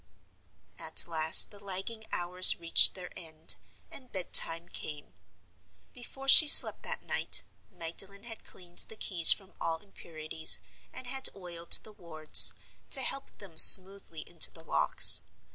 At last the lagging hours reached their end, and bed time came. Before she slept that night Magdalen had cleaned the keys from all impurities, and had oiled the wards, to help them smoothly into the locks.